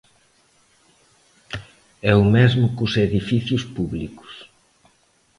E o mesmo cos edificios públicos.